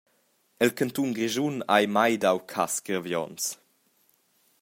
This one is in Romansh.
El cantun Grischun ha ei mai dau cass gravionts.